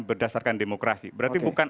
berdasarkan demokrasi berarti bukan